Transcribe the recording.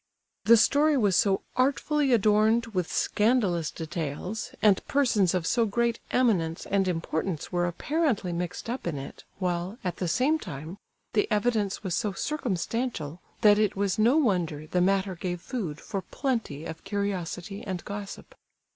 The story was so artfully adorned with scandalous details, and persons of so great eminence and importance were apparently mixed up in it, while, at the same time, the evidence was so circumstantial, that it was no wonder the matter gave food for plenty of curiosity and gossip.